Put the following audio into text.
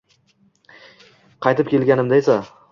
Qaytib kelganimda esa